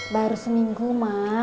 baru seminggu mak